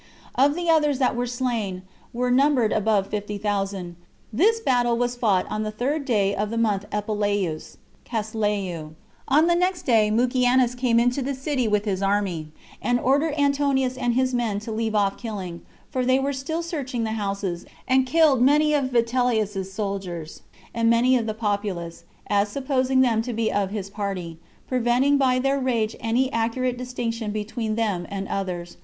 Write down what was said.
Of the others that were slain, were numbered above fifty thousand. This battle was fought on the third day of the month Apelleus [Casleu]; on the next day Mucianus came into the city with his army, and ordered Antonius and his men to leave off killing; for they were still searching the houses, and killed many of Vitellius's soldiers, and many of the populace, as supposing them to be of his party, preventing by their rage any accurate distinction between them and others.